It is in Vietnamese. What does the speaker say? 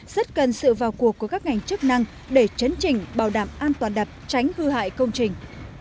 rất cần sự vào cuộc của các ngành chức năng để chấn chỉnh bảo đảm an toàn đập tránh hư hại công trình